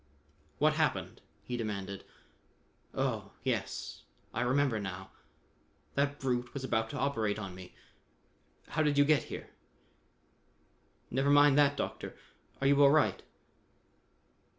"What happened?" he demanded. "Oh, yes, I remember now. That brute was about to operate on me. How did you get here?" "Never mind that, Doctor. Are you all right?"